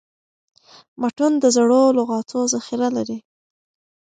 متون د زړو لغاتو ذخیره لري.